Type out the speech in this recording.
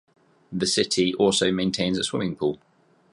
The city also maintains a swimming pool.